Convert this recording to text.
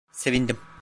Sevindim.